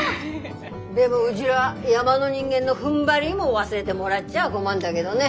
でもうぢら山の人間のふんばりも忘れでもらっちゃ困んだげどね。